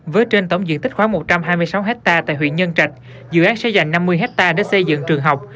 với trên tổng diện tích khoảng một trăm hai mươi sáu hectare tại huyện nhân trạch dự án sẽ dành năm mươi hectare để xây dựng trường học